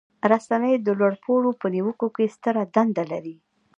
رسنۍ د لوړ پوړو په نیوکو کې ستره دنده لري.